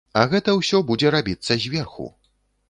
А гэта ўсё будзе рабіцца зверху.